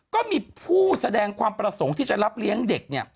ก็มีผู้แสดงความประสงค์ที่จะรับเลี้ยงเด็กเนี่ย